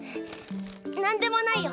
何でもないよ。